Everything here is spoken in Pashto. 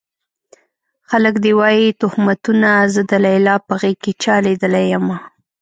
خلک دې وايي تُهمتونه زه د ليلا په غېږ کې چا ليدلی يمه